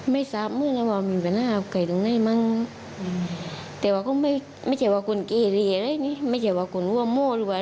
ไม่ถือว่าดีไม่แต่ว่ามันไม่ใช่เด็กก้าวเรา